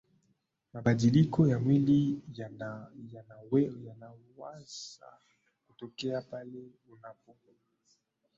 mabadiliko ya mwili yanawza kutokea pale unapopata ugonjwa wa ukimwi